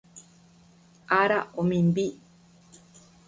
Ára omimbi